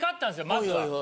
まずは。